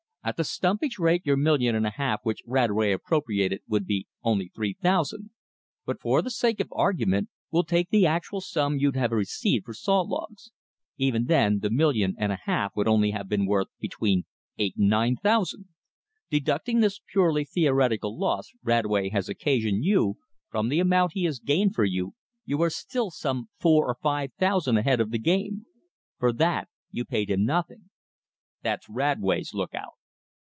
At the stumpage rate your million and a half which Radway 'appropriated' would be only three thousand. But for the sake of argument, we'll take the actual sum you'd have received for saw logs. Even then the million and a half would only have been worth between eight and nine thousand. Deducting this purely theoretical loss Radway has occasioned you, from the amount he has gained for you, you are still some four or five thousand ahead of the game. For that you paid him nothing." "That's Radway's lookout."